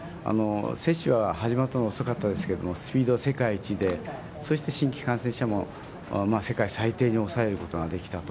接種は始まったのが遅かったですけれども、スピードは世界一で、そして新規感染者も世界最低に抑えることができたと。